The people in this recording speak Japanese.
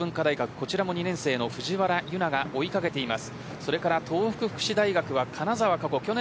こちらも２年生の藤原唯奈が追い掛けています。